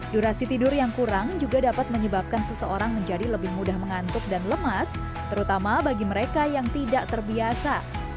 durasi tidur yang kurang juga dapat menyebabkan seseorang menjadi lebih mudah mengantuk dan lemas terutama bagi mereka yang tidak terbiasa